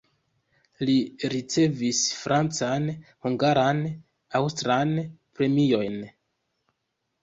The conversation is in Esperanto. Li ricevis francan, hungaran, aŭstran premiojn.